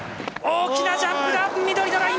大きなジャンプだ！